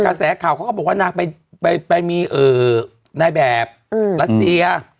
กระแสข่าวเขาก็บอกว่านางไปไปไปมีเอ่อนายแบบอืมลัสเซียอ่า